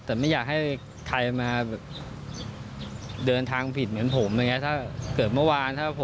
แต่ไม่อยากให้ใครมาเดินทางผิดเหมือนผมนะครับ